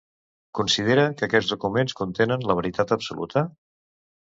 Considera que aquests documents contenen la veritat absoluta?